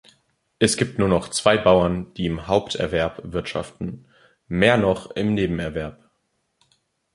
Es gibt nur noch zwei Bauern, die im Haupterwerb wirtschaften, mehr noch im Nebenerwerb.